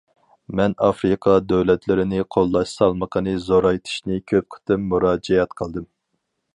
مەن ئافرىقا دۆلەتلىرىنى قوللاش سالمىقىنى زورايتىشنى كۆپ قېتىم مۇراجىئەت قىلدىم.